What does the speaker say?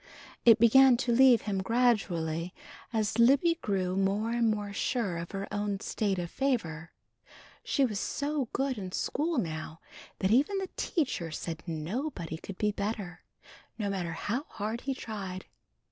It began to leave him gradually as Libby grew more and more sure of her own state of favor. She was so good in school now that even the teacher said nobody could be better, no matter how hard he tried.